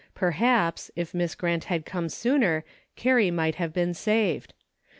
Perhaps, if Miss Grant had come sooner Carrie might have been saved.